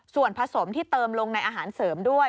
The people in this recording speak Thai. ส่วนผสมที่เติมลงในอาหารเสริมด้วย